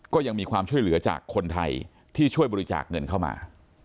ก็ยังมีความช่วยเหลือจากคนไทยที่ช่วยบริจาคเงินเข้ามา